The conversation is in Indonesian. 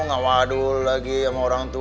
nggak wadul lagi sama orang tua